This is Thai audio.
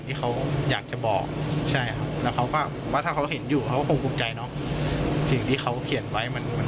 เดี๋ยวเราช่วยกันอยู่ต่อไม่ได้จากไปไหน